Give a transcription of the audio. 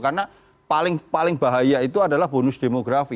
karena paling paling bahaya itu adalah bonus demografi